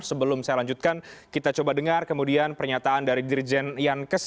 sebelum saya lanjutkan kita coba dengar kemudian pernyataan dari dirjen yankes